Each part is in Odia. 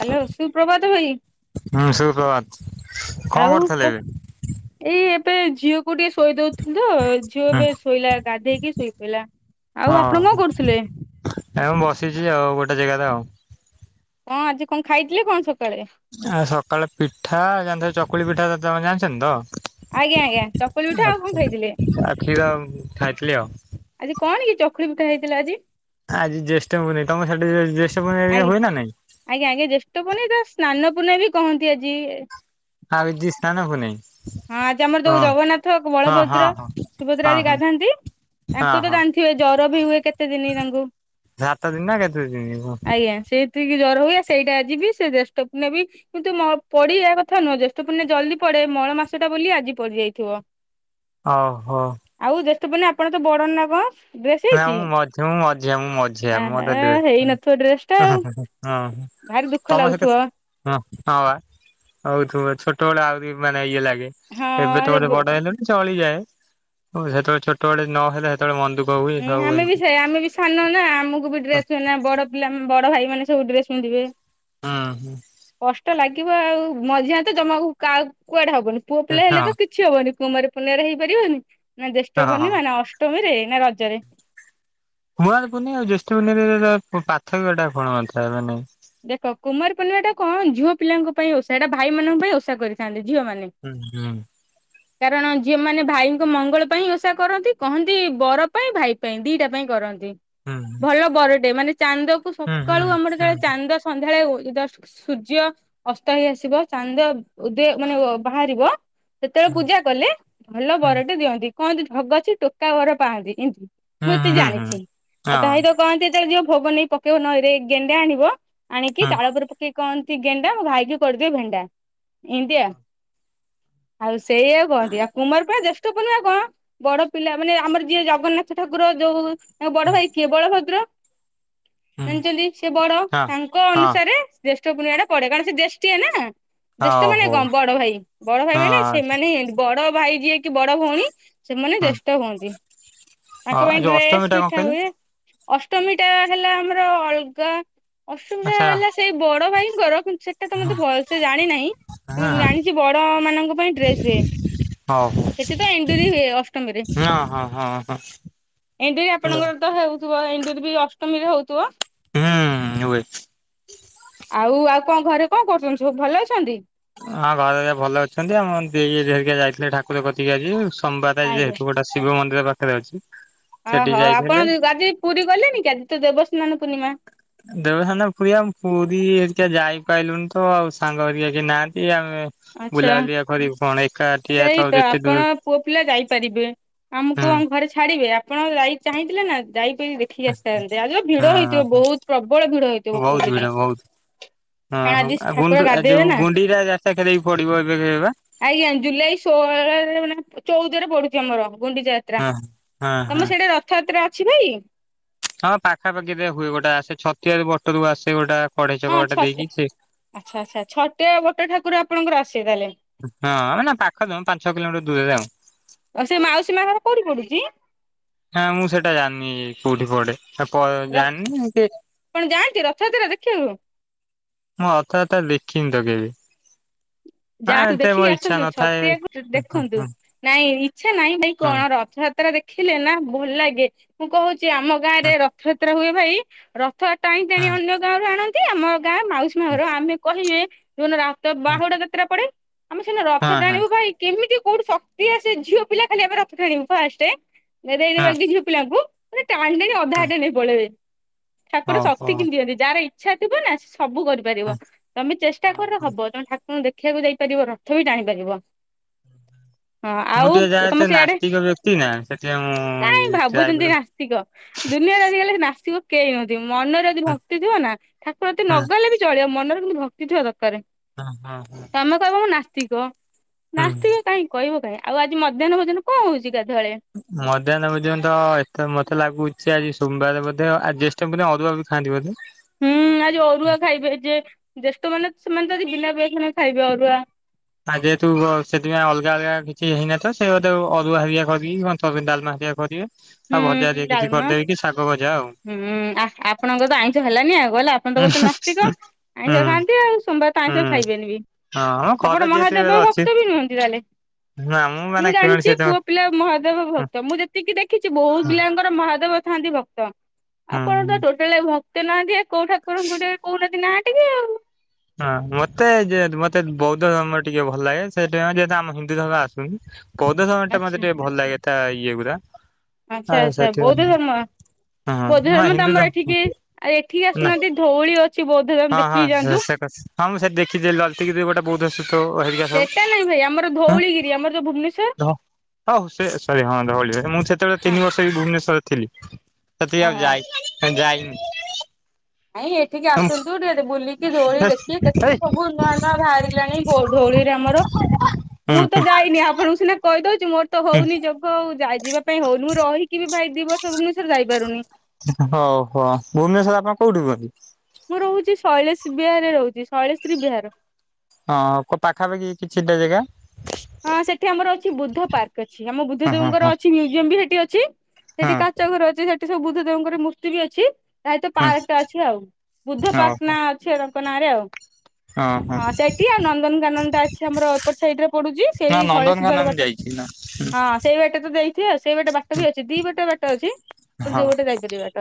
ହ୍ୟାଲୋ, ସୁପ୍ରଭାତ ଭାଇ। ହୁଁ ସୁପ୍ରଭାତ। କଣ ଆଉ କ କରୁଥିଲେ ଏବେ? ଏଇ ଏବେ ଝିଅକୁ ଟିକେ ଶୋଇ ଦଉଥିଲି ତ, ଝିଅ ଏବେ ଶୋଇଲା ଗାଧେଇକି ଶୋଇ ପଇଲା। ଆଉ ଆପଣ କଣ କରୁଥିଲେ? ଆଉ ମୁଁ ବସିଛି ଆଉ ଗୋଟେ ଜାଗାରେ ଆଉ। କଣ ଆଜି କଣ ଖାଇଥିଲେ କଣ ସଖା ଆ ସକାଳେ ପିଠା ଜାଣିଥିବ, ଚକୁଳି ପିଠା ତ ତମେ ଜାଣିଛନ୍ତି ଆଜ୍ଞା ଆଜ୍ଞା ଚକୁଳି ତ? ପିଠା ଆଉ କଣ ଖାଇଥିଲେ? ଆଚ୍ଛା। ଆଉ କ୍ଷୀର ଖାଇଥିଲି ଆଉ। ଖୁରି ପିତା ହେଇଥିଲା ଆଜି। ଆଜି ଜ୍ୟେଷ୍ଠ ପୁନେଇ ତମ ସେଠି ଜ୍ୟେଷ୍ଠ ପୁନେଇ ହେରିକା ଆଜ୍ଞା। ହୁଏ ନା ନାଇଁ? ଆଜ୍ଞା ଆଜ୍ଞା, ଜ୍ୟେଷ୍ଠ ପୁନେଇଁ ତ ସ୍ନାନ ପୁନେଇଁ ବି କହନ୍ତି ଆଜି। ହାଓ ଇଜ୍ ଦିସ ସ୍ନାନପୁନେଇଁ? ହଁ ଆଜି ଆମର ଯୋଉ ଜଗନ୍ନାଥ, ହଁ ହଁ ବଳଭଦ୍ର, ହଁ ସୁଭଦ୍ରା ହଁ ଆଜି ହଁ ଗାଧାନ୍ତି ହଁ ତାଙ୍କୁ ତ ହଁ। ଜାଣିଥିବେ ଜର ବି ହୁଏ କେତେ ଦିନି ତାଙ୍କୁ। ସାତ ଦିନ ନା କେତେ ଦିନ କୁହ? ସେଠିକି ଜର ହୁଏ ସେଇଟା ଆଜି ବି ସେ ଜ୍ୟେଷ୍ଠ ପୁନେଇଁ ବି କିନ୍ତୁ ମ ପଡିିବା କଥା ନୁହଁ, ଜ୍ୟେଷ୍ଠ ପୁନେଇଁ ଜଲଦି ପ ଗୋଟାଏ ମଳ ମାସଟା ବୋଲି ଆଜି ପଡିଯାଇଥିବ। ଓହୋ। ଶୁଭୁନି ଆପଣ ତ ବଡ ନା କଣ? ଡ୍ରେସ୍ ନାଁ ହେଇଛି? ମୁଁ ମଝି ମୁଁ ମଝିଆ ମୁଁ ମଝିଆ। ମୋର ଆହା ତ ଡ୍ରେସ ହେଇନଥିବ ଡ୍ରେସ୍ ଟା ହଁଁ ଆଉ ହ ହଁ ଭାରି ଦୁଃଖ ତମର ସେ ଲାଗୁଥିବ। କେତେ ହ ହଁ ବା ହଉଥିବ ଛୋଟବେଳେ ଆହୁରି ମାନେ ଇଏ ଲାଗେ। ଏବେ ତ ଗୋଟେ ବଡ ହେଲିଣି ଚଳିଯାଏ। ହଁ ସେତେବେଳେ ଛୋଟବେଳେ ନହେଲେ ସେତେବେଳେ ମନ ଦୁଃଖ ହୁଏ ହୁଁ ସବୁ ଆମେ ବି ଏମିତି ସେୟା ଆମେ ବି ସାନ ନା, ଆମକୁ ବି ଡ୍ରେସ ମିଳେନି ବଡ ପିଲା ବଡ ଭାଇ ମାନେ ସବୁ ଡ୍ରେସ ପିନ୍ଧିବେ। ହଁ ହଁ। ହେଇଥିବ ଆଉ ମଝିଆ ତ ଜମାକୁ କାଆକୁ କୁଆଡେ ହବନି। ପୁଅ ପିଲା ହେଲେ ତ ହଁ କିଛି ହବନି। କୁମାର ପୂର୍ଣ୍ଣିମାରେ ହେଇପାରିବନି, ନା ଜ୍ୟେଷ୍ଠ ହଁ ପୂର୍ଣ୍ଣିମା, ନା ଅଷ୍ଟମୀରେ, ନା ରଜରେ। କୁଆଁର ପୁନେଇଁ ଆଉ ଜ୍ୟେଷ୍ଠ ପୂର୍ଣ୍ଣିମାରେ ଆରେରେ ପାର୍ଥକ୍ୟଟା କଣ ଥାଏ ମାନେ? ଦେଖ, କୁମାର ପୂର୍ଣ୍ଣିମାଟା କଣ ଝୁଅ ପିଲାଙ୍କ ପାଇଁ ଓଷା, ଏଇଟା ଭାଇମାନଙ୍କ ପାଇଁ ଓଷା କରିଥାନ୍ତି। ଝିଅ ମାନେ। ହୁଁ ହୁଁ। କାରଣ ଝିଅମାନେ ଭାଇଙ୍କ ମଙ୍ଗଳ ପାଇଁ ଓଷା କରନ୍ତି, କହନ୍ତି ବର ପାଇଁ ଭାଇ ପାଇଁ ଦିଟା ପାଇଁ କରନ୍ତି। ଭଲ ବରଟେ ମାନେ ଚାନ୍ଦକୁ ହୁଁ ହୁଁ ସକାଳୁ ଆମର ହୁଁ ଚାଳେ ସନ୍ଧ୍ୟାବେଳେ ଉ ଇ ଯଷ୍ଟ ସୂର୍ଯ୍ୟ ଅସ୍ତ ହେଇ ଆସିବ ଚାନ୍ଦ ଉଦୟ ମାନେ ବାହାରିବ ସେତେବେଳେ ହୁଁ ପୂଜା କଲେ ଭଲ ହୁଁ ବରଟେ ଦିଅନ୍ତି କୁହନ୍ତି ଢଗ ଅଛି ଟୋକା ବର ପାଆନ୍ତି ଏମ ମୁଁ ଏତିକି ହୁଁ ହୁଁ ହୁଁ ହୁଁ। ଜାଣିଛି ଆ ହଁ କାହିତ କହନ୍ତି ଯେତେବେଳେ ଯିବ ଭୋଗ ନେଇ ପକେଇବ ନଇ ରେ ଗେଣ୍ଡା ଆଣିବ ଆଣିକି ହୁଁ ଚାଳ ଉପରେ ପକେଇକି କହନ୍ତି ଗେଣ୍ଡା ମୋ ଭାଇକି କରିଦିଅ ଭେଣ୍ଡା ଏନ୍ତିଆ। ଆଉ ସେଇଆ କହନ୍ତି ଆଉ କୁମାର ପାଇଁ ଋତୁ ପୂର୍ଣ୍ଣିମା କଣ ବଡ ପିଲା ମାନେ ଆମର ଯିଏ ଜଗନ୍ନାଥ ଠାକୁର ଯୋଉ ତାଙ୍କ ବଡ ଭାଇ କିଏ ବଳଭଦ୍ର ହୁଁ ହୁଁ ଜାଣିଛନ୍ତି ସେ ବଡ ହଁ ତାଙ୍କ ହଁ ଅନୁସାରେ ଜ୍ୟେଷ୍ଠ ପୂର୍ଣ୍ଣିମା ଟା ପଡେ କାରଣ ସେ ଜେଷ୍ଟିୟା ନା। ହଉ ଜ୍ୟେଷ୍ଠ ହଉ ମାନେ ହଁ କଣ ବଡ ଭାଇ ବଡ ଭାଇ ମାନେ ସେମାନେ ବଡ ଭାଇ ଯିଏକି ବଡ ଭଉଣୀ ସେମାନେ ହୁଁ ଜ୍ୟେଷ୍ଠ ହୁଅନ୍ତି ତାଙ୍କ ପାଇଁ ଆଉ ଯୋଉ ଅଷ୍ଟମୀ ଡ୍ରେସ ଟା କଣ ପିଠା କହିଲେ ହୁଏ। ଅଷ୍ଟମୀ ଟା ହେଲା ଆମର ଅଲଗା ଅଷ୍ଟମୀ ଟା ଆଚ୍ଛା ହେଲା ସେଇ ବଡ ଭାଇଙ୍କର ସେଟା ତ ହଁ ମତେ ଭଲ ସେ ଜାଣିନାହିଁ ହଁ କିନ୍ତୁ ମୁଁ ଜାଣିଚି ବଡ ମାନଙ୍କ ପାଇଁ ଡ୍ରେସ ହୁଏ। ହଉ ସେଠି ତ ଏଣ୍ଡୁରି ହୁଏ ଅଷ୍ଟମୀରେ। ହଁ ହଁ ହଁ ଏଣ୍ଡୁରି ହଁ ଆପଣଙ୍କର ତ ହେଉଥିବ ଏଣ୍ଡୁରି ବି ଅଷ୍ଟମୀରେ ହଉଥିବ। ହୁଁ ହୁଏ। ଆଉ ଆଉ କଣ ଘରେ କଣ କରୁଚନ୍ତି ସବୁ ଭଲ ଅଛନ୍ତି ହଁ ଘରେ ଭଲ ଅଛନ୍ତି ଆମର ଦେଇ ହେରୀକା ଯାଇଥିଲେ ଠାକୁର କତିକି ଆଜି। ସମ୍ବାଦ ଆଜ୍ଞା। ଯେହେତୁ ଗୋଟେ ଶିବ ମନ୍ଦିର ପାଖରେ ଅଛି। ସେଠି ଓହୋ ଯାଇଥିଲେ ଆପଣ [unintelligible] ଆଜି ପୁରୀ ଗଲେନି କି ଆଜି ତ ଦେବସ୍ନା ଦେବସାନ ଫୁରିଆ ଆମ ପୁରୀ ହରିକା ଯାଇପାରିଲୁ ତ ଆଉ ସାଙ୍ଗ ହେରିକା କେହି ନାହାନ୍ତି ଆଚ୍ଛା ବୁଲାବୁଲି ଆଉ କରିବୁ କଣ ଏକାଠିଆ ତ ଏତେ ଦୂର ଆମୁକୁ ହୁଁ ଆମ ଘରେ ଛାଡିବେ ଆପଣ ଯାଇ ଚାହିଁଥିଲେ ନା ପୁରୀ ଦେଖିକି ଆସିଥାନ୍ତେ ଆଜି ଯୋଉ ଭିଡ ହଁ ହେଇଥିବ ବହୁତ ପ୍ରବଳ ଭିଡ ହେଇଥିବ ବହୁତ ଭିଡ ପୁରୀରେ। ବହୁତ ହଁ କାରଣ ହଉ ଆଜି ଆଉ ଠାକୁର ଗୁଣ୍ଡୁ ଯୋଉ ଗାଧେଇବେ ନା। ଗୁଣ୍ଡିଚା ଯାତ୍ରା ପଡିବ ଏବେ କେବେ ବା ଆଜ୍ଞା ଜୁଲାଇ ଷୋହଳରେ ମାନେ ଚଉଦରେ ପଡୁଛି ଆମର। ଗୁଣ୍ଡିଚା ଯାତ୍ରା ହଁ ହଁ ହଁ ତମର ସିଆଡେ ରଥଯାତ୍ରା ଅଛି ଭାଇ ହଁ ପାଖାପାଖି ଦିଆ ହୁଏ ଗୋଟେ ଆସେ ଛତିଆ ବଟରୁ ଆସେ ଗୋଟେ କଢେଇ ଛକ ହଁ ବାଟେ ଛତିଆ ଦେଇକି ସେ ଆଛା ଆଛା ଛତିଆ ବଟ ଠାକୁର ଆପଣଙ୍କର ଆସେ ହଁ ନା ପାଖ ନୁହେଁ ପାଞ୍ଚ ଛଅ କିଲୋମିଟର ଦୂରରେ ଆଉ। ଆଉ ସେ ମାଉସୀ ମା ଘର କୋଉଠି ପଡୁଚି? ନା ମୁଁ ସେଇଟା ଜାଣିନି କୋଉଠି ପ ତା ପରେ ର ଜାନନି ଏନ୍ତି ଆପଣ ଯାଆନ୍ତି ରଥଯାତ୍ରା ଦେଖିବାକୁ? ମୁଁ ଅଥଯାତ୍ରା ଦେଖିନି ତ କେବେ ହଁ ଯାଆନ୍ତୁ ଏତେ ମୋ ଦେଖିକି ଇଚ୍ଛା ଆସନ୍ତୁ ନଥାଏ ଛତିଆକୁ ଦେଖନ୍ତୁ ହଁ ନାଇଁ ଇଛା ନାଇଁ ଭାଇ ହଁ କଣ ରଥଯାତ୍ରା ଦେଖିଲେ ନା ଭଲ ଲାଗେ ମୁଁ କହୁଚି ଆମ ଗାଁ ରେ ହଁ ରଥଯାତ୍ରା ହୁଏ ଭାଇ ରଥ ଟାଣି ଟାଣି ହଁ ଅନ୍ୟ ଗାଁରୁ ଆଣନ୍ତି ଆମ ଗାଁ ମାଉସୀ ମା ଘର ଆମେ କହିବେ ଯୋଉ ଦିନ ରାତ ବାହୁଡା ଯାତ୍ରା ପଡେ ଆମେ ସେଦିନ ହଁ ରଥ ହଁ ଟାଣିବୁ ଭାଇ କେହିବି କୋଉଠୁ ଶକ୍ତି ଆସେ ଝିଅ ପିଲା ଖାଲି ଆମେ ରଥ ଖାଣିବୁ ଫାଷ୍ଟ ହଁ ହଁ [unintelligible] ଝିଅ ପିଲାଙ୍କୁ। ମାନେ ଟାଣି ଟାଣି ଅଧା ହଁ ବାଟ ନେଇ ପଳେଇବେ। ଠାକୁର ଓହୋ ଶକ୍ତି କିଣି ଦିଅନ୍ତି ଯାହାର ଇଛା ଥିବ ନା ସବୁ ହଁ କରିପାରିବ ତମେ ଚେଷ୍ଟା କର ହଁ। ହବ ତମେ ଠାକୁର ଦେଖିବାକୁ ଯାଇପାରିବ ରଥ ବି ଟାଣିପାରିବ। ହଁ ମୁଁ ଆଉ ଟିକେ ଯାହା ତମ ଏତେ ସେଆଡେ ନାସ୍ତିକ ବ୍ୟକ୍ତି ନା ସେଥିପାଇଁ କାହିଁ ମୁଁ ଭାବୁଛନ୍ତି ଯାଇପାରେ ହୁଁ ନାସ୍ତିକ ଦୁନିଆରେ ଆଜି କାଲି ନାସ୍ତି କେହି ନଥିବ ମନରେ ଯଦି ହୁଁ। ଭକ୍ତି ଥିବ ନା ଠାକୁର କତିକି ନ ଗଲେ ବି ଚଳିବ ମନରେ କିନ୍ତୁ ଭକ୍ତି ଥିବା ଦରକାର। ହଁ ଅ। ତମେ କହିବ ମୁଁ ନାସ୍ତିକ ହୁଁ ନାସ୍ତିକ କାହିଁ କହିବ କାଇଁ ଆଉ ଆଜି ମଧ୍ୟାହ୍ନ ଭୋଜନ କଣ ହଉଚି? ମଧ୍ୟାହ୍ନ ଭୋଜନ ତ ଏଥର ମତେ ଲାଗୁଚି ଆଜି ସୋମବାର ବୋଧେ ଆଜି ଜ୍ୟେଷ୍ଠ ପୂର୍ଣ୍ଣିମା ଅରୁଆ ଖାଆନ୍ତି ବୋଧେ ହୁଁ ଆଜି ଅରୁଆ ଖାଇବେ ଯେ ଜ୍ୟେଷ୍ଠ ମାନେ ସେମାନେ ତ ଆଜି ବିନା ପିଆଜ ରସୁଣରେ ଖାଇବେ ଅରୁଆ। ଆଜି ଯେହେତୁ ସେଥିପାଇଁ ଅଲଗା ଅଲଗା କିଛି ହେଇନଥିବ ସେଇ ବୋଧେ ଅରୁଆ ହରିକା କରିକି [unintelligible] ଡାଲମା। ଠିଆ କରିବେ। ଆଉ ହୁଁ ଭଜା ହେରିକା କିଛି ଡାଲମା, କରିଦେବେ କି ଶାଗ ଭଜା ଆଉ ହୁଁ ଆ ଆପଣଙ୍କର ତ ଆଇଁଷ ହେଲାନି ଆଉ। ଗଲା ଆପଣ ତ ହୁଁ କହୁଛନ୍ତୀ ନାସ୍ତିକ, ହୁଁ ଆଇଁସ ଖାଆନ୍ତି ଆଉ ସୋମବାର ତ ଆଇଁସ ହୁଁ। ଖାଇବେନି ବି। ହଁ ଆପଣ ଘରେ ଯେହେତୁ ମହାଦେବ ଏବେ ଅଛି ଭକ୍ତ ବି ନୁହନ୍ତି ତାହେଲେ? ନା ମାନେ ମୁଁ କିଣଣି ଜାଣିଛି ସେ ହୁଁ। ପୁଅ ପିଲା ମହାଦେବ ଭକ୍ତ। ମୁଁ ଯେତିକି ଦେଖ କିଛି ବହୁତ ପିଲାଙ୍କର ମହାଦେବ ଥାଆନ୍ତି ଭକ୍ତ ଆପଣ ତ ହଁ ଟୋଟାଲ ଭକ୍ତ ନାହାନ୍ତି। କୋଉଠାକୁରଙ୍କୁ ଟିକେ କୋଉନନ୍ତି ନାଁ? ଟିକେ ଆଉ। ହଁ ମତେ ଜେ ମତେ ବୌଦ୍ଧ ଧର୍ମ ଟିକେ ଭଲ ଲାଗେ। ସେଥିପାଇଁ ଯେହେତ ଆମ ହିନ୍ଦୁ ଧର୍ମ ଆସୁନି। ପୌଦ ଧର୍ମ ଟା ଆଚ୍ଛା ମତେ ଟିକେ ଭଲ ଲାଗେ ତା ଇଏ ଗୁରା। ଆଚ୍ଛା ଆ ଆଚ୍ଛା ସେଥି ବୌଦ୍ଧ ପାଇଁ। ଧର୍ମ ହଁ ହ ବୌଦ୍ଧ ନା ଧର୍ମ ହିନ୍ଦୁ ତ ଆମର ଏଠିକି ଆଉ ଏଠିକି ନା ଆସୁନାହାନ୍ତି ଧଉଳି ଅଛି ବୌଦ୍ଧ ଧର୍ମ ହଁ ହଁ ଦେଖିକି ଯାଆନ୍ତୁ। ସେ କସ ହଁ ମୁଁ ସେଠ ଦେଖିଛି ଲଲତି ଗିରି ଗୋଟା ବହୁତ ସୁତ ହେଇ ସବୁୁଁ। ସେଟା ନାଇଁ ଭାଇ ଆମର ଧଉଳିଗିରି ଆମର ଯୋଉ ଭୁବନେଶ୍ଵର ହଉ ସେ ସରି ହଁ ଧଉଳି ଭ ମୁଁ ସେତେବେଳେ ତିନି ବର୍ଷ ବି ଭୁବନେଶ୍ୱର ଥିଲି ସେତିକି ଆଉ ହଁ ଯାଇ ଯାଇନି। ଭାଇଁ ଏଠିକି ଆସନ୍ତୁ ଟିକେ ଟିକେ ବୁଲିକି ଧଉଳି ଦେଖି ହେଇ କେତେ ସବୁ ନୂଆ ନୂଆ ବାହାରିଲାଣି ଧୋ ଧୋଳିରେ ଆମର। ମୁଁ ହୁଁ ହୁଁ ତ ଯାଇନି ଆପଣଙ୍କୁ ସିନା କହିଦ ଛି ମୋର ତ ହୁଁ ହଉନି ଯୋଗ ଆଉ ଯ ଯିବା ପାଇଁ ହଉନି ମୁଁ ରହିକି ବି ଭାଇ ଦି ବର୍ଷ ଭୁବନେଶ୍ଵର ଯାଇପାରୁନି। ହଉ ହଉ ଭୁବନେଶ୍ଵର ଆପଣ କୋଉଠି ରୁହନ୍ତି? ମୁଁ ରହୁଛି ଶୈଳେଶ ବିହାରରେ ରହୁଛି ଶୈଳେଶ୍ରୀ ବିହାର। ହଁ କୋ ପାଖାପାଖି କିଛିଟା ଜାଗା? ହଁ ସେଠି ଆମର ଅଛି ବୁଦ୍ଧ ପାର୍କ ଅଛି, ଆମ ବୁଦ୍ଧ ହଁ ଦେବଙ୍କର ହଁ ଅଛି ମ୍ୟୁଜିୟମ ବି ହେଠି ଅଛି। ସେଠି ହଁ କାଚ ଘର ଅଛି ସେଠି ଏ ସବୁ ବୁଦ୍ଧ ଦେବଙ୍କର ମୂର୍ତ୍ତି ବି ଅଛି ତା ଶହିତ ହଁ ପାର୍କଟା ଅଛି ଆଉ। ହଁ ବୁଦ୍ଧ ପାର୍କ ହଉ। ନା ଅଛି ଆଉ ତା ନାଁ ରେ ଆଉ ହଁ ସେଠି ଆଉ ନନ୍ଦନକାନନ ଟା ଅଛି ଆମର ଏପଟ ସାଇଡରେ। ଚି ନା ସେଇ ଶୈଳ ଶିବ ନନ୍ଦନକାନନ ମୁଁ ବାଟ ଯାଇଛି ନା ହଁ ସେଇ ବାଟେ ତ ଦେଇଥିବ ସେଇ ବାଟେ ବାଟ ବି ଅଛି। ଦି ଗୋଟେ ବାଟ ଅଛି ପ ଯୋଉ ହଁ ଗୋଟେ ଯାଇ ପାରିବେ ବାଟ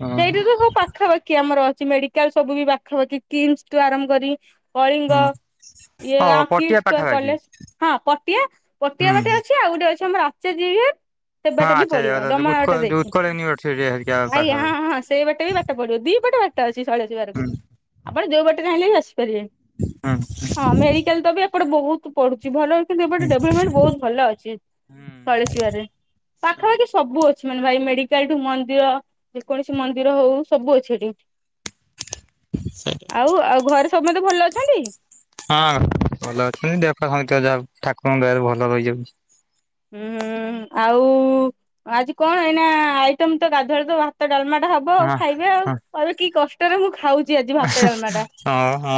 ହଁ ସେଇଠି ତ ସବୁ ପାଖାପାଖି ଆମର ଅ ମେଡିକାଲ ସବୁ ବି ପାଖାପାଖି କିମସ ଠୁ ଆରମ୍ କରି। କଳିଙ୍ଗ ହଁ। ଇଏ ଓ ଆ କିଟ ପଟିଆ କେୟାର ପାଖାପାଖି କଲେଜ। ହଁ ପଟିଆ ପଟିଆ ହୁଁ। ବାଟେ ଅଛି ଆଉ ଗୋଟେ ଅଛି ଆମର ଆଚାର୍ଯ୍ୟବିହାର। ସେ ହଁ ବାଟେ ବି ଆଚ୍ଛା ପଡିବ ଡମଣା ବାଟା ଉତ୍କଳ ଯୋଉ ଦେଇକି, ଉତ୍କଳ ୟୁନିଭର୍ସିଟି ହେରିକା ଆଇ ହଁ ପାଖାପାଖି ହଁ ସେଇ ବାଟେ ବି ବାଟ ପଢିବ ଦି ପଟେ ବାଟ। ଛି ଶଳସ ବାରକୁ ହୁଁ ଆପଣ ଯୋଉ ବାଟରେ ଚାହିଁଲେ ବି ଆ ପାରିବେ, ହୁଁ ହଁ ମେଡିକାଲ ତ ବି ଏପଟେ ବହୁତ ପଢୁଛି ଭଲ କିନ୍ତୁ ଏବେଟେ ହୁଁ। ଡେଭଲପମେଣ୍ଟ ବହୁତ ଭଲ ଅଛି। ହୁଁ ସଳିସିବାରେ ପାଖାପାଖି ସବୁ ଅ ଛି ମାନେ ଭାଇ ମେଡିକାଲଠୁ ମନ୍ଦିର ଯେକୌଣସି ମନ୍ଦିର ହଉ ସବୁ ଅଛି ଏଠି। ସେ ଆଉ ଆଉ ଘରେ ସମସ୍ତେ ଭଲ ଅଛନ୍ତି? ହଁ ଭଲ ଅଛନ୍ତି ଦେହ ପା ଯା ଠାକୁରଙ୍କ ଦୟାରୁ ଭଲ ରହିଯାଉଚି। ହୁଁ ଆଉ ଆଜି କଣ ଏଇନା ଆଇଟମ ତ ଗାଧର ତ ଭାତ ଡାଲମା ଟା ହବ ଆଉ ହଁ ଖାଇବେ ହଁ ଆଉ, କି କଷ୍ଟରେ ମୁଁ ଖାଉଛି ଆଜି ଭାତ ଡାଲମା ଟା। ହଁ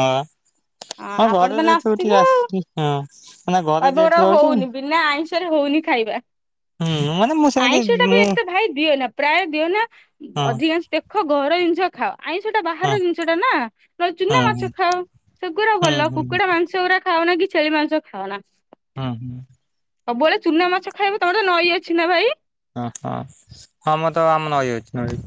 ହଁ ଆପଣ ଘରେ ତ ଯେହେତୁ ନାସିଥିବ ଟିକେ ଆଉ ଆସିଛି ହଁ। ମାନେ ଘରେ କହିବ ଉର ଯେହେତୁ ରହୁଛି ହୁଁ ହଉନି ବିନା ଆଇଁସ ହଉନି ଖାଇବା ମାନେ ମୁଁ ସେମିତି ଆଇଁଷ ଟା ବି ମୁଁ ଏତେ ଭାଇ ଦିଅ ନା ପ୍ରାୟ ଦିଅ ନା ହଁ ଅଧିକାଂଶ ଦେଖ ଘର ଜିନିଷ ଖାଅ। ଆଇଁଷଟା ହଁ ବାହାର ଜିନିଷଟା ନା, ନନେ ଚୁନା ହଁ ହୁଁ ମାଛ ଖାଅ ସେଗୁଡା ହୁଁ ଭଲ, ହୁଁ କୁକୁଡା ମାଂସ ଗୁଡା ଖାଅନା କି ଛେଳି ମାଂସ ଖାଅନା। ହଁ ହୁଁ। ସବୁବେଳେ ଚୁନା ମାଛ ଖାଇବ, ତମରେ ନଈ ଅଛି ନା ଭାଇ? ହ ହଁ ହଁ ମୁଁ ତ ଆମ ନଈ ଅଛି ନଈ।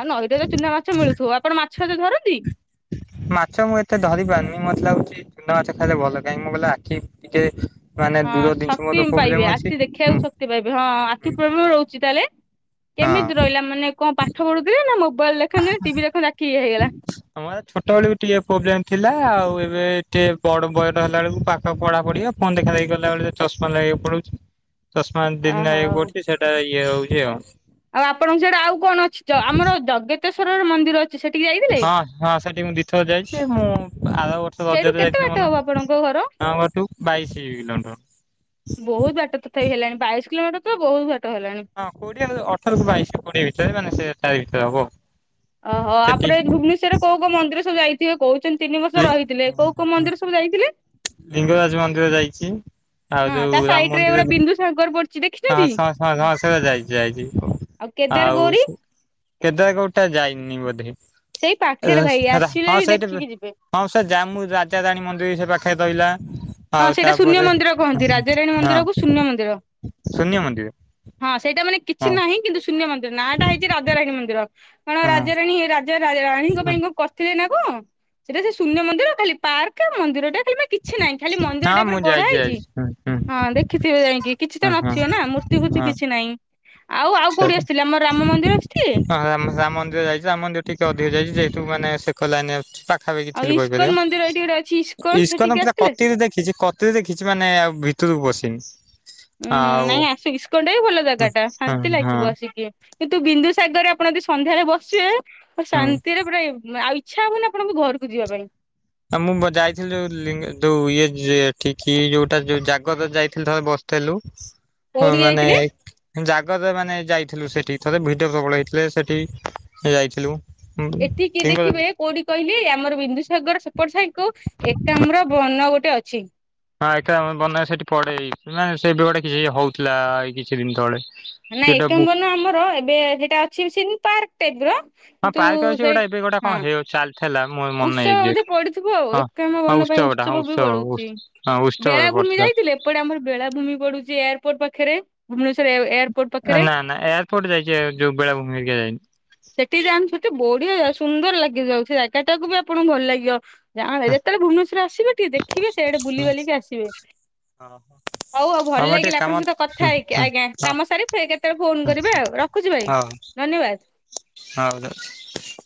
ଆଁ ନଈରେ ବି ଚୁନା ମାଛ ମିଳୁଥିବ, ଆପଣ ମାଛ କେବେ ଧରନ୍ତି? ହ। ମାଛ ମୁଁ ଏତେ ଧରି ପାରୁନି। ମତେ ଲାଗୁଛି ଚୁନା ମାଛ ଖାଇଲେ ଭଲ। କାହିଁକି ମୁଁ କହିଲି ଆଖି ଟିକେ ମାନେ ହଁ, ଦୂର ଜିନିଷ ଶକ୍ତି ମୋର ପ୍ରୋବ୍ଲେମ ପାଇବେ ଅଛି ଆଖି ହୁଁ ଦେଖେଇବାକୁ ଶକ୍ତି ପାଇବେ। ହଁ ହୁଁ ଆଖି ପ୍ରୋବଲେମ ରହୁଛି ତାହେଲେ? ହଁ। କେମିତି ରହିଲା, ମାନେ କଣ ପାଠ ପଢୁଥିଲେ ନା ମୋ ହଁ ଛୋଟବେଳକୁ ଟିକେ ପ୍ରୋବ୍ଲେମ ଥିଲା। ଆଉ ଏ ଏବେ ଏଠି ବଡ ବହି ଧଇଲା ବେଳକୁ ପାଠ ପଢା ପଢି, ଫୋନ୍ ଦେଖା ଦେଖି କଲା ବେଳେ ଚଶମା ଲଗେଇବାକୁ ପଡୁଛି। ଚଷମା ଏମିତି ଡେଲ୍ଲୀ ଓହୋ ନାଇବାକୁ ପଡୁଛି, ସେଟା ଇଏ ହଉଛି ଆଉ। ଆଉ ଆପଣଙ୍କ ସିଆଡେ ଆଉ କଣ ଅଛି? ଆମର ଜଗତେଶ୍ଵରର ମନ୍ଦିର ଅଛି। ସେଠିକି ଯାଇଥିଲେ? ହଁ- ହଁ ସେଠି ମୁଁ ଦି ଥର ଯାଇଛି। ମୁଁ ଆର ବର୍ଷ ସେଇଠୁ ରଜରେ କେତେ ଯାଇଥିଲି, ବାଟ ମାନେ ହବ ଆପଣଙ୍କ ଘର? ଆମ ଏଠୁ ବାଇଶି କିଲୋମିଟର। ବହୁତ ବାଟ ତଥାପି ହେଲାଣି, ବାଇଶ କିଲୋମିଟର ତ ବହୁତ ବାଟ ହେଲାଣି। ହଁ, କୋଡିଏରୁ ଅଠରରୁ ବାଇଶ କୋଡିଏ ଭିତରେ, ମାନେ ସେ ତାରି ଭିତରେ ହବ ଆଉ। ଓ ହୋ ଆପଣ ଏଇ ଭୁବନେଶ୍ୱରରେ କୋଉ କୋଉ ମନ୍ଦିର ସବୁ ଯାଇଥିବେ? କହୁ ଛନ୍ତି ତିନି ବର୍ଷ ରହିଥିଲେ, କୋଉ କୋଉ ମନ୍ଦିର ସବୁ ଯାଇଥିଲେ? ଲିଙ୍ଗରାଜ ମନ୍ଦିର ଯାଇଛି ଆଉ ହଁ ତା ଯୋଉ ରାମ ସାଇଟରେ ମନ୍ଦିର ଗୋଟେ ବିନ୍ଦୁସାଗର ପଡି ହଁ, ଶଶ ସେରା ଯାଇଛି ଯାଇଛି କେଦାର ଆଉ ଗୌରୀ କେତେବେଳେ କୋଉଟା ଯାଇନି ବୋଧେ? ସେଇ ପାଖରେ ଭାଇ ଆସିଲେ ହଁ, ବି ସେଇଠି ଦେଖିକି ଯିବେ। ହଁ, ସେ ଜାମୁ ରାଜାରାଣୀ ମନ୍ଦିର ସେ ପାଖ ଖାଇ ପାଇଲା। ହଁ ସେଇଟା ଶୂନ୍ୟ ମନ୍ଦିର କହନ୍ତି, ରାଜାରାଣୀ ହଁ ମନ୍ଦିରକୁ ଶୂନ୍ୟ ମନ୍ଦିର। ଶୂନ୍ୟ ମନ୍ଦିର? ହଁ ସେଇଟା ମାନେ କିଛି ହଁ। ନାହିଁ, କିନ୍ତୁ ଶୂନ୍ୟ ମନ୍ଦିର ନାଁଟା ହେଇଛି ରାଜାରାଣୀ ମନ୍ଦିର। କାରଣ ହଁ ରାଜାରାଣୀ ଯେ ରା ରାଣୀଙ୍କ ପାଇଁ କଣ କରିଥିବେ ନା କଣ? ସେଟା ସେ ଶୂନ୍ୟ ମନ୍ଦିର ଖାଲି ପାର୍କ ମନ୍ଦିରଟେ ଖାଲି ମା କିଛି ନାହିଁ, ଖାଲି ମନ୍ଦିର ହଁ ଟାଇପରେ ମୁଁ ଗଢା ଯାଇଛି ହେଇଛି। ଯାଇଛି ହୁଁ ହୁଁ। ହଁ ଦେଖିଥିବେ ଯାଇକି, କିଛି ତ ହଁ ହଁ ନଥିବେ ନା ମୂର୍ତ୍ତି ଫୁର୍ତ୍ତି କିଛି ନାହିଁ। ଆଉ ଆଉ କୋଉଠି ସେଟା ଆସିଥିଲେ ଆମର ରାମ ମନ୍ଦିର ଆସିଥିଲେ ହଁ ରାମ ରାମ ମନ୍ଦିର ଯାଇଛି, ରାମ ମନ୍ଦିର ଟିକେ ଅଧିକ ଯାଇଛି ଯାଇ ସେଠୁ ମାନେ, ସେ କର ଲାଇନ୍ ରେ ପାଖାପାଖି ଆଉ ଥିଲୁ ଇସ୍କନ ମନ୍ଦିର ଏଇଠି ଗୋଟେ ଅଛି କହିପାରିବା। ଇସ୍କନ ସେଠିକି ପୁରା ଆସିଥିଲେ? କତିରେ ଦେଖିଛି, କତିରେ ଦେଖିଛି ମାନେ ଆଉ ଭିତରକୁ ପଶିନି। ଉୁଁ- ହୁଁ ଆଉ ନାଇଁ ଆସୁ ଇସ୍କନଟା ବି ଭଲ ଜାଗାଟା, ହଁ ଶାନ୍ତି ହଁ ଲାଗିବ ଆସିକି। କିନ୍ତୁ ବିନ୍ଦୁସାଗରରେ ଆପଣ ଯଦି ସନ୍ଧ୍ୟାରେ ବସିବେ, ହୁଁ। ଶାନ୍ତିରେ ପୁରା ଆଉ ଇ ଇଚ୍ଛା ହବନି ଆପଣଙ୍କୁ ଘରକୁ ଯିବା ପାଇଁ। ଆଉ ମୁଁ ଯାଇଥିଲି ଯୋଉ ଲିଙ୍ଗ ଯୋଉ ଇଏ, ଯ ଏଠିକି ଯୋଉଟା ଜାଗରରେ ଯାଇଥିଲି। ଥରେ ବସ ଥିଲୁ କୋଉଠିକି ମାନେ ଯାଇଥିଲେ ଜା ଜାଗରରେ ମାନେ ଯାଇଥିଲୁ ସେଠି, ଥରେ ଭିଡ଼ ପ୍ରବଳ ହେଇଥିଲେ ସେଠି ଯାଇଥିଲୁ। ହୁଁ ଏଠି କିି ତିଙ୍ଗଲ ଦେଖିବେ କୋଉଠି କହିଲେ? ଆମର ବିନ୍ଦୁସାଗର ସେ ଏପଟ ସାଇଟକୁ ଏକାମ୍ର ବନ ଗୋଟେ ଅଛି। ହଁ ଏକ୍ରାମ ବନ ସେଠି ପଡେଇ, ମାନେ ସେ ଏବେ ଗୋଟେ କିଛି ହଉଥିଲା ଏଇ କିଛି ଦିନି ତଳେ? ନାଇ ସେଟା ଏକ୍ରାମ ବୁ ବନ ଆମର ଏବେ ସେଇଟା ଅଛି ସିମି ପାର୍କ ଟାଇପର। ହଁ କିନ୍ତୁ ପାର୍କ ଅଛି ଗୋଟେ ସେଇଠ ଏବେ ଗୋଟେ କଣ ହଁ ହେଇ ଚାଲିଥିଲା ମୋ ମନେ ନାହିଁ ଉତ୍ସବ ବୋଧେ ଏକ୍ଜାକ୍ଟ ପଡିିଥିବ ଆଉ, ହଁ। ଏକ୍ରାମ ହଁ ବନ ପାଇଁ ଉତ୍ସବଟା ହଁ ଉତ୍ସବ ବି ଉସ୍ ପଡୁଛି। ହଁ ଉତ୍ସବରେ ବେଳା ଭୂମି ପଡିଥିଲା ଯାଇଥିଲେ? ଏପଟେ ଆମର ବେଳାଭୂମି ପଡୁଛି ଏୟାରପୋର୍ଟ ପାଖରେ। ଭୁବନେଶ୍ୱର ଏୟାରପୋର୍ଟ ପାଖରେ ନା, ନା ଏୟାରପୋର୍ଟ ଯାଇଛି, ଯୋଉ ବେଳା ଭୂମି ହେକା ଯାଇନି। ସେଠିକି ଯାଆନ୍ତୁ ସେଠି ବଢିଆ ଜାଗା ସୁନ୍ଦର ଲାଗିଯାଉଛି, ସେ ଜାଗାଟାକୁ ବି ଆପଣଙ୍କୁ ଭଲ ଲାଗିବ। ଜା ଯେତେବେଳେ ଭୁବନେଶ୍ୱର ଆସିବେ, ଟିକେ ଦେଖିବେ ସେଆଡେ ବୁଲି ବାଲିକି ଆସିବେ। ହଁ। ହଉ ଆଉ ଭଲ ଆମର ଟିକେ ଲାଗିଲା ଆପଣଙ୍କ କାମ ସହିତ କଥା ହଁ ହେଇକି। ହଁ ଆଜ୍ଞା ହଁ କାମ ସାରିକି ଫେରେ କେତେବେଳେ ଫୋନ ହଁ କରିବେ ଆଉ ରଖୁଛି ଭାଇ। ହଉ ଧନ୍ୟବାଦ। ହଉ ରହୁଛି।